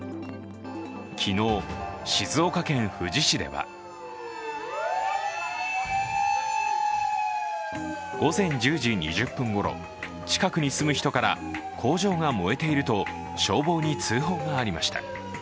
昨日、静岡県富士市では午前１０時２０分ごろ近くに住む人から工場が燃えていると消防に通報がありました。